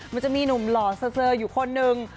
มันจะมีหนุ่มหล่อเซอร์อยู่คนหนึ่ง